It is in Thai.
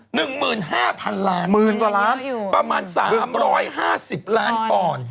หนึ่งหมื่นห้าพันล้านมีเงินเยอะอยู่ประมาณ๓๕๐ล้านป่อน